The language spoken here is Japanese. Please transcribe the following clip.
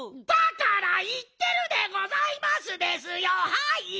だからいってるでございますですよはい！